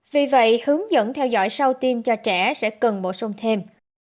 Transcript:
vì vậy hướng dẫn theo dõi sau tiêm cho trẻ sẽ cần bổ sung thêm